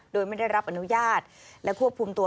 โดยไม่ได้รับอนุญาตและควบคุมตัว